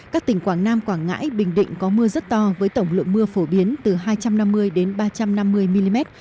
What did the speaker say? các tỉnh quảng nam quảng ngãi bình định có mưa rất to với tổng lượng mưa phổ biến từ hai trăm năm mươi đến ba trăm năm mươi mm